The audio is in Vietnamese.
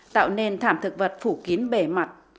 tạo nền thảm thực vật phủ kín bề mặt